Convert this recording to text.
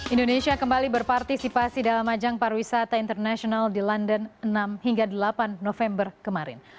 indonesia kembali berpartisipasi dalam ajang pariwisata internasional di london enam hingga delapan november kemarin